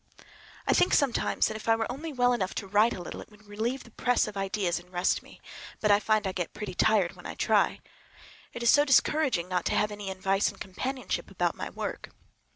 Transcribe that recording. I think sometimes that if I were only well enough to write a little it would relieve the press of ideas and rest me. But I find I get pretty tired when I try. It is so discouraging not to have any advice and companionship about my work.